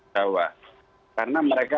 dawah karena mereka